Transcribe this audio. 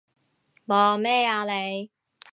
望咩啊你？